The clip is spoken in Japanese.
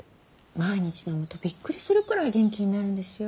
毎日飲むとびっくりするくらい元気になるんですよ。